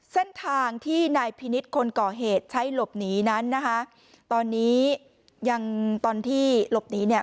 เส้นทางที่นายพินิษฐ์คนก่อเหตุใช้หลบหนีนั้นนะคะตอนนี้ยังตอนที่หลบหนีเนี่ย